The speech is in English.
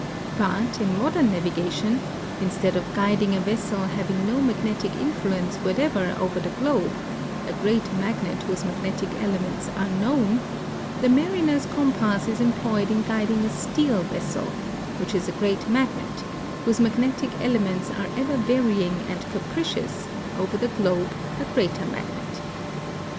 Hut, in modern navigation, instead of guiding a vessel having no mag netic influence whatever over the glohe — a great magnet whose magnetic elements are known— the mariner's compass is em ployed in guiding a steel vessel, which is a great magnet, whose magnetic elements are ever varying and capricious, over the glohe, a greater magnet.